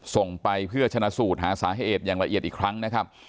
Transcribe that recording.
ส่งไปเพื่อชนะสูตรหาสาเหตุอย่างละเอียดอีกครั้งนะครับ